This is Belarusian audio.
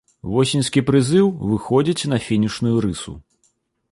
Восеньскі прызыў выходзіць на фінішную рысу.